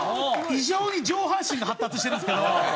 異常に上半身が発達してるんですけど。